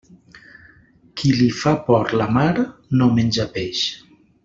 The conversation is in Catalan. Qui li fa por la mar no menja peix.